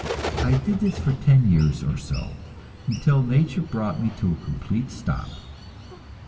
I did this for ten years or so, until nature brought me to a complete stop.